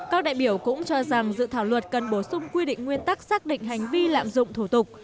các đại biểu cũng cho rằng dự thảo luật cần bổ sung quy định nguyên tắc xác định hành vi lạm dụng thủ tục